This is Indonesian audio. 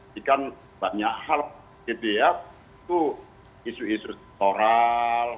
jika banyak hal di dpr itu isu isu oral